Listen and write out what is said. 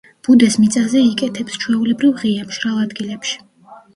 ბუდეს მიწაზე იკეთებს, ჩვეულებრივ ღია, მშრალ ადგილებში.